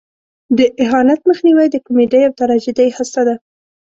د اهانت مخنیوی د کمیډۍ او تراژیدۍ هسته ده.